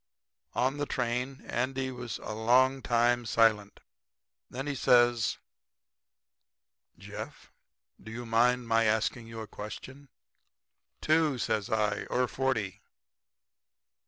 "On the train Andy was a long time silent. Then he says: 'Jeff, do you mind my asking you a question?' "'Two,' says I, 'or forty.'